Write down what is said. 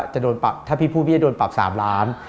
ถ้าพี่พูดพี่จะโดนปรับ๓ล้านบาท